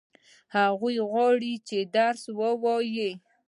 هغه غواړي چې درس ووايي.